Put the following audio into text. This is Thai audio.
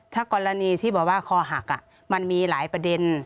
ถ้ากรณีที่บอกว่าคอหักมันมีหลายประเด็น